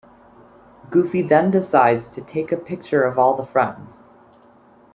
Goofy then decides to take a picture of all the friends.